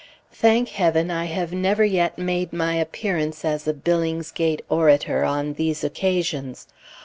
Thank Heaven, I have never yet made my appearance as a Billingsgate orator on these occasions.